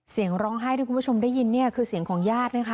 เสียงร้องไห้ที่คุณผู้ชมได้ยินเนี่ยคือเสียงของญาตินะคะ